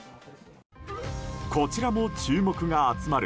こちらも注目が集まる